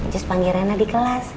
cus panggil riana di kelas